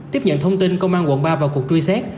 tiếp nhận thông tin công an quận ba vào cuộc truy xét